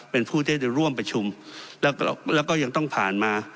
เป็นผู้ที่จะร่วมประชุมแล้วก็ยังต้องผ่านมา